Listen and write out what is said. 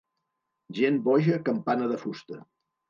Gent boja, campana de fusta.